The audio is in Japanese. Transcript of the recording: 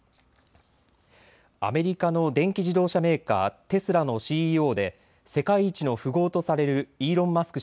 アメリカの電気自動車メーカー、テスラのＣＥＯで世界一の富豪とされるイーロン・マスク